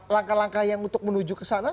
langkah langkah yang untuk menuju ke sana